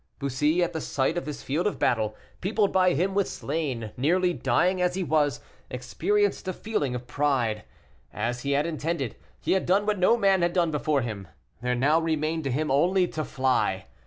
Bussy, at the sight of this field of battle, peopled by him with slain, nearly dying as he was, experienced a feeling of pride. As he had intended, he had done what no man had done before him. There now remained to him only to fly.